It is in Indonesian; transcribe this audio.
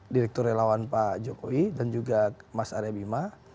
direktur relawan pak jokowi dan juga mas arya bima